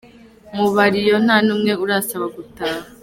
Mu bariyo nta n’umwe urasaba gutaha.